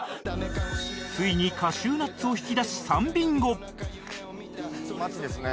ついに「カシューナッツ」を引き出し３ビンゴいい街ですね。